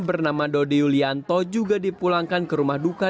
bernama dodi yulianto juga dipulangkan ke rumah duka